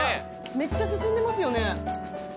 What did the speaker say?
めっちゃ進んでますよね。